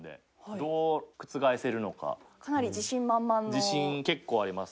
自信、結構あります。